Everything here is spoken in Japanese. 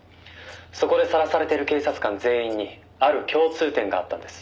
「そこでさらされてる警察官全員にある共通点があったんです」